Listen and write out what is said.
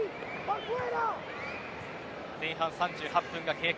前半３８分が経過。